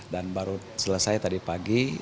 dan baru selesai tadi pagi